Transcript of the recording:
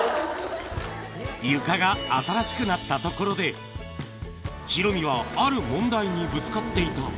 床が新しくなったところで、ヒロミはある問題にぶつかっていた。